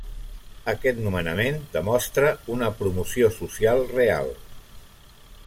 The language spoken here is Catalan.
Aquest nomenament demostra una promoció social real.